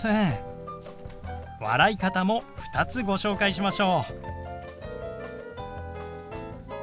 笑い方も２つご紹介しましょう。